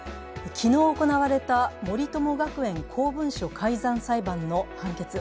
昨日行われた森友学園公文書改ざん裁判の判決。